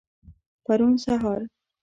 پرون سهار.